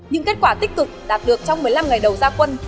những kết quả tích cực đạt được trong một mươi năm ngày đầu gia quân